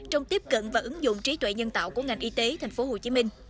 trong tiếp cận và ứng dụng trí tuệ nhân tạo của ngành y tế tp hcm